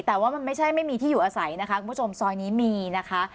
แต่ว่ามันไม่ใช่ไม่มีที่อยู่อาศัยนะคะคุณผู้ชมซอยนี้มีนะคะ